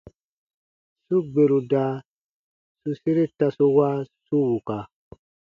Su gberu da su sere tasu wa su wuka.